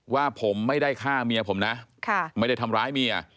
ว่าผมไม่ได้ฆ่าเมียผมนะไม่ได้ทำร้ายเมีย